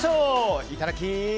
いただき！